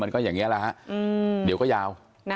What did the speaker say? มันก็อย่างนี้แหละเร็วก็ยาว